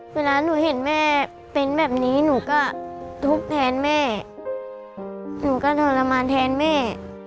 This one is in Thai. เวลาหนูเห็นแม่เป็นแบบนี้หนูก็ทุบแทนแม่หนูก็ทรมานแทนแม่